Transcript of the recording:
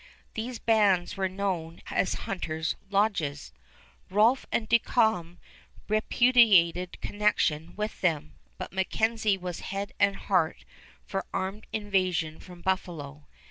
These bands were known as "Hunter's Lodges." Rolph and Duncombe repudiated connection with them, but MacKenzie was head and heart for armed invasion from Buffalo.